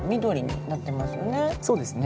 そうですね。